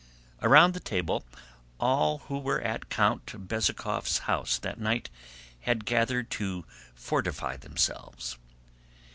Around the table all who were at Count Bezúkhov's house that night had gathered to fortify themselves.